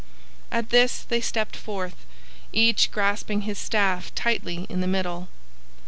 At this they stepped forth, each grasping his staff tightly in the middle.